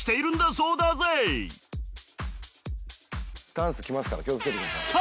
ダンスきますから気を付けてください。